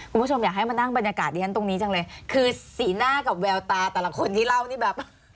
คุณผู้ชมอยากให้มานั่งบรรยากาศที่ฉันตรงนี้จังเลยคือสีหน้ากับแววตาแต่ละคนที่เล่านี่แบบ